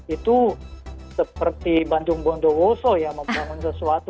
itu seperti bandung bondowoso yang membangun sesuatu